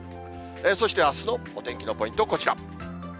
そしてあすのお天気のポイント、こちら。